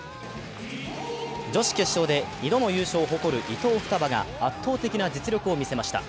女子決勝で２度も優勝を誇る伊藤ふたばが圧倒的な実力を見せました。